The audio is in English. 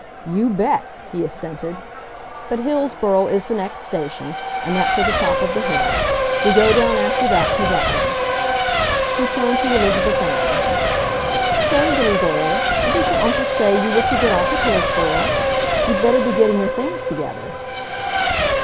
"You bet!" he assented. "But Hillsboro is the next station and that's at the top of the hill. We go down after that to Rutland." He turned to Elizabeth Ann—"Say, little girl, didn't your uncle say you were to get off at Hillsboro? You'd better be getting your things together."